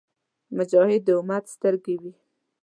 مجاهد د امت سترګې وي.